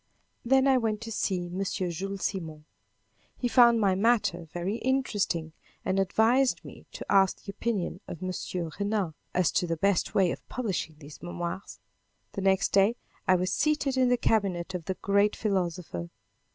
Then I went to see M. Jules Simon. He found my matter very interesting and advised me to ask the opinion of M. Renan, as to the best way of publishing these memoirs. The next day I was seated in the cabinet of the great philosopher.